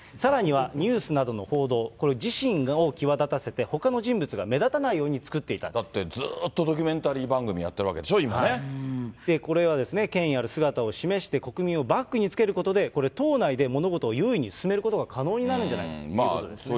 さらには、ニュースなどの報道、これ、自身を際立たせてほかの人だってずっとドキュメンタリこれは、権威ある姿を示して、国民をバックにつけることで、これ、党内で物事を優位に進めることが可能になるんじゃないかということですね。